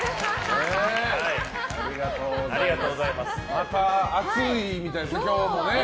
また暑いみたいですね、今日も。